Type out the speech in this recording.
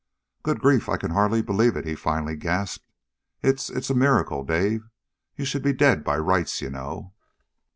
"Good grief, I can hardly believe it!" he finally gasped. "It's it's a miracle, Dave. You should be dead, by rights, you know."